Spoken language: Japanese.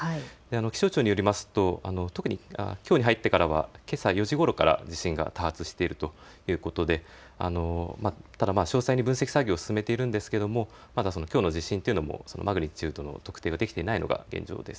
気象庁によりますと特にきょうに入ってからは、けさ４時ごろから地震が多発しているということでただ、詳細に分析作業を進めているんですけれどもまだきょうの地震というのもマグニチュードの特定ができていないのが現状です。